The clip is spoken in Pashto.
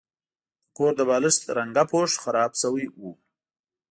د کور د بالښت رنګه پوښ خراب شوی و.